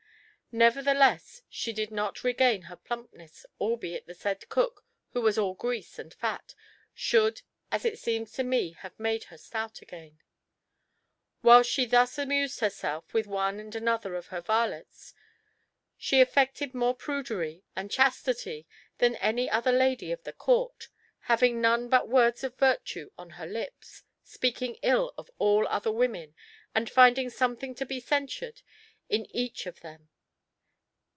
Nevertheless, she did not regain her plumpness, albeit the said cook, who was all grease and fat, should as it seems to me have made her stout again. Whilst she thus amused herself with one and another of her varlets, she affected more prudery and chastity than any other lady of the Court, having none but words of virtue on her lips, speaking ill of all other women and finding something to be censured in each of them.